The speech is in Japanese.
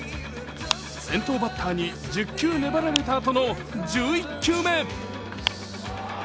先頭バッターに１０球粘られたあとの１１球目。